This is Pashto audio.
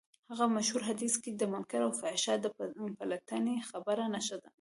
هغه مشهور حديث کې د منکر او فحشا د پلټنې خبره نشته.